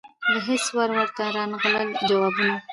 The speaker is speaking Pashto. له هیڅ وره ورته رانغلل جوابونه